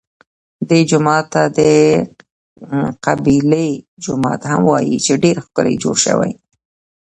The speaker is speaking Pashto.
دې جومات ته د قبلې جومات هم وایي چې ډېر ښکلی جوړ شوی.